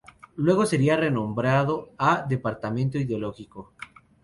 Luego sería renombrado a "Departamento Ideológico".